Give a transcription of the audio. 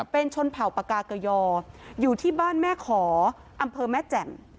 เป็นชนเผ่าปากาเกยออยู่ที่บ้านแม่ขออำเภอแม่แจ่ม